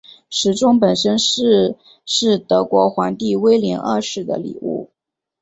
时钟本身是是德国皇帝威廉二世的礼物。